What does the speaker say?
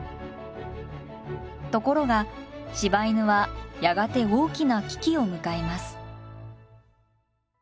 ところが柴犬はやがて大きな危機を迎えます。